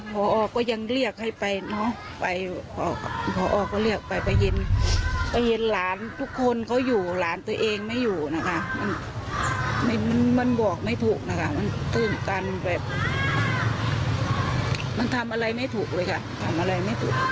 พ่อออก็ยังเรียกให้ไปพ่อออก็เรียกไปไปเห็นหลานทุกคนเขาอยู่หลานตัวเองไม่อยู่มันบอกไม่ถูกมันทำอะไรไม่ถูกเลยค่ะ